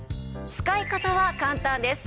使い方は簡単です。